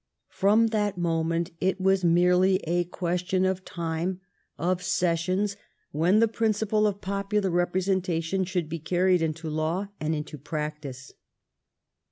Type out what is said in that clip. From that moment it was merely a question of time, of sessions, when the principle of popular representation should be carried into law and into practice.